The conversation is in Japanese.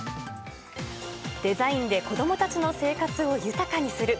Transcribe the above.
デザインで子供たちの生活を豊かにする。